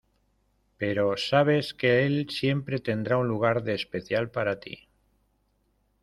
Pero sabes que él siempre tendrá un lugar de especial para ti.